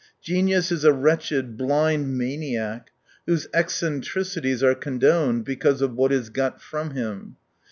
Genius is a wretched, blind maniac, whose eccentricities are condoned because of what is got from him.